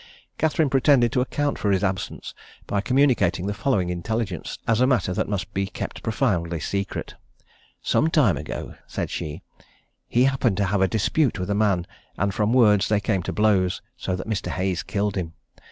Catherine pretended to account for his absence by communicating the following intelligence, as a matter that must be kept profoundly secret: "Some time ago," said she, "he happened to have a dispute with a man, and from words they came to blows, so that Mr. Hayes killed him.